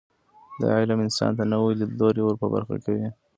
دا علم انسان ته نوي لیدلوري ور په برخه کوي.